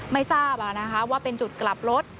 ไม่ทราบว่าเป็นจุดกลับรถ